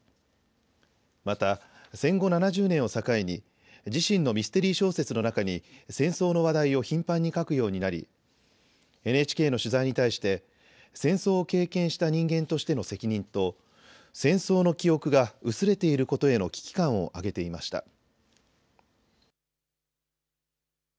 また戦後７０年を境に自身のミステリー小説の中に戦争の話題を頻繁に書くようになりＮＨＫの取材に対して戦争を経験した人間としての責任と戦争の記憶が薄れていることへの危機感を挙げていました。